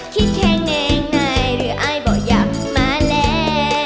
คิดแค่แน่งไงหรืออายบ่อยอยากมาแล